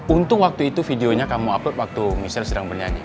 untung waktu itu videonya kamu upload waktu michelle sedang bernyanyi